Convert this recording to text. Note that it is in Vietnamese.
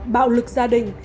bạo lực gia đình